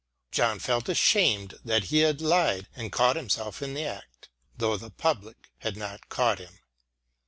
John felt ashamed that he had lied and caught himself in the act, though the public had not caught him.